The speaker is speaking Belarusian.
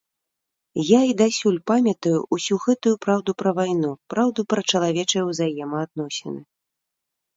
Я і дасюль памятаю ўсю гэтую праўду пра вайну, праўду пра чалавечыя ўзаемаадносіны.